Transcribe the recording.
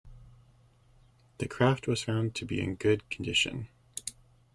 The craft was found to be in good condition.